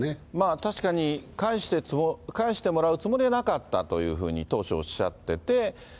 確かに、返してもらうつもりはなかったというふうに、当初、おっしゃってて。